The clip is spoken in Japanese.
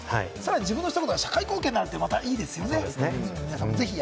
自分がしたことが社会貢献になるならいいですよね。